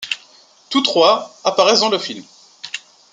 Tous trois apparaissent dans le film.